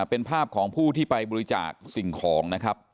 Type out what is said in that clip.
เป็นภาพของผู้ที่ไปบริจาคสิ่งของนะครับ